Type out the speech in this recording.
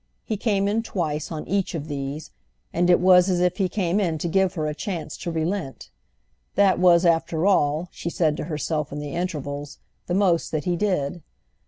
He came in twice on each of these, and it was as if he came in to give her a chance to relent. That was after all, she said to herself in the intervals, the most that he did.